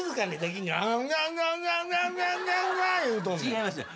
違いますよ。